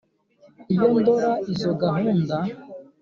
iyo ndora izo gahunda